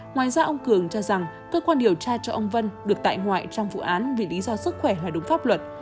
ngoài ra ông cường cho rằng cơ quan điều tra cho ông vân được tại ngoại trong vụ án vì lý do sức khỏe phải đúng pháp luật